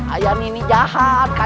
ayah ini jahat kak